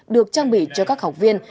được trang bị cho các học viên